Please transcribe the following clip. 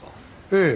ええ。